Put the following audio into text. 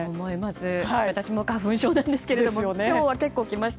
私も花粉症なんですけれども今日は結構きました。